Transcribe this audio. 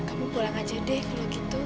kamu pulang aja deh kalau gitu